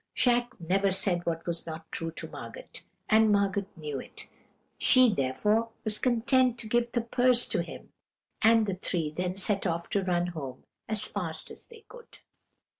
"Jacques never said what was not true to Margot, and Margot knew it; she, therefore, was content to give the purse to him; and the three then set off to run home as fast as they could.